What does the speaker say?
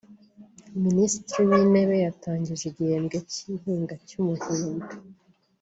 Minisitiri w’Intebe yatangije n’igihembwe cy’ihinga cy’umuhindo